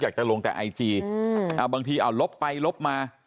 อยากจะลงกับไอจีบางทีลบไปลบมา